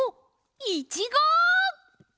いちご！